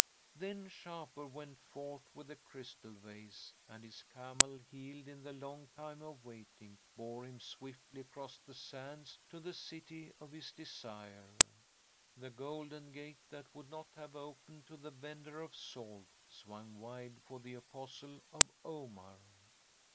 "'Then Shapur went forth with the crystal vase, and his camel, healed in the long time of waiting, bore him swiftly across the sands to the City of his Desire. The Golden Gate, that would not have opened to the vender of salt, swung wide for the Apostle of Omar.